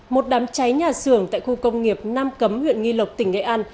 một đám cháy nhà xưởng tại khu công nghiệp nam cấm huyện nghi lộc tỉnh nghệ an